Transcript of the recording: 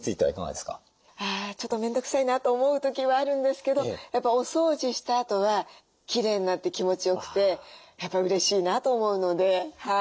あちょっと面倒くさいなと思う時はあるんですけどやっぱお掃除したあとはきれいになって気持ちよくてやっぱうれしいなと思うので。